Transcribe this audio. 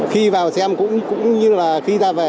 khi vào xem cũng như là khi ra về